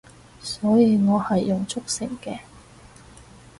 所以我係用速成嘅